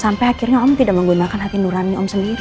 sampai akhirnya om tidak menggunakan hati nurani om sendiri